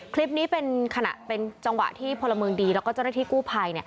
คลิปนี้เป็นขณะเป็นจังหวะที่พลเมืองดีแล้วก็เจ้าหน้าที่กู้ภัย